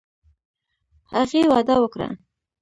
هغې وعده وکړه.